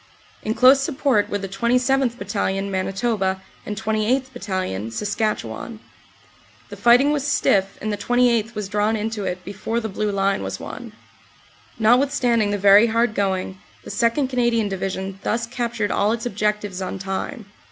In close support were the 27th. Bat talion, Manitoba and 28th. Battalion, Saskatchewan. The fighting was stiff and the 28th. was drawn into it before the Blue Line was won. Notwithstanding the very hard going, the 2nd. Canadian Division thus captured all its objectives on time.